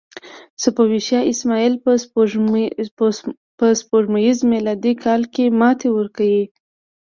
صفوي شاه اسماعیل په سپوږمیز میلادي کال کې ماتې ورکړه.